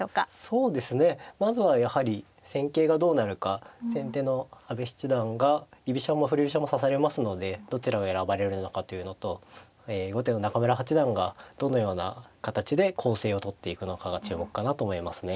そうですねまずはやはり戦型がどうなるか先手の阿部七段が居飛車も振り飛車も指されますのでどちらを選ばれるのかというのと後手の中村八段がどのような形で攻勢をとっていくのかが注目かなと思いますね。